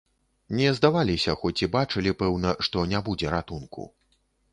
Не здаваліся, хоць і бачылі, пэўна, што не будзе ратунку.